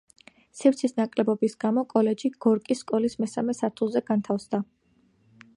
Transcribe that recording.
სივრცის ნაკლებობის გამო, კოლეჯი გორკის სკოლის მესამე სართულზე განთავსდა.